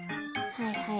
はいはい。